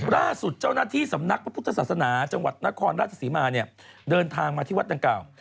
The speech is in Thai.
ล่าสุดเจ้านาทีสำนักพระพุทธศาสนาจังหวัดบทนครราชสิมมายนี่เดินทางมาที่วัฒน์กาว